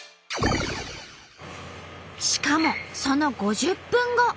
しかもその５０分後。